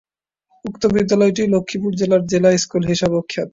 উক্ত বিদ্যালয়টি লক্ষ্মীপুর জেলার জেলা স্কুল হিসাবেও খ্যাত।